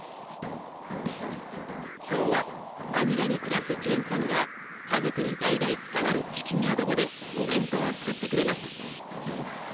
今日はマニラに暮らすジェンさんが家族に代々伝わるチキンアドボでお弁当をつくってくれます。